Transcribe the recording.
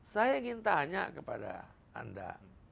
saya ingin tanya kepada anda